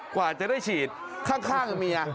กว่าจะได้ฉีดข้างเมีย